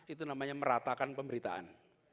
itu namanya meratakan pemberitaan